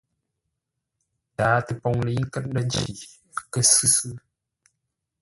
Tǎa-təpoŋ lə̌i nkət ndə̂ nci, kə́ sʉ́ sʉ́.